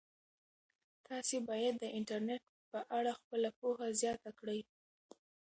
تاسي باید د انټرنيټ په اړه خپله پوهه زیاته کړئ.